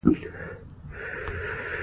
ازادي راډیو د اقلیم د تحول لړۍ تعقیب کړې.